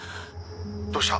どうした？